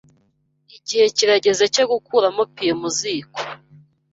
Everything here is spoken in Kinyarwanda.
Igihe kirageze cyo gukuramo pie mu ziko.